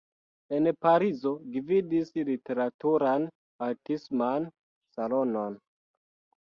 En Parizo gvidis literaturan-artisman salonon.